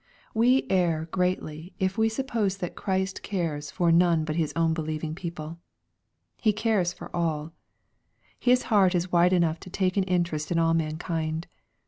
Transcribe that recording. We err greatly if we suppose that Christ cares for none 14 314 EXPOSITORY THOUGHTS. but His own believing people. He cares for all. His heart is wide enough to take an interest in all mankind.